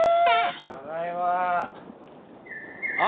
ただいまあ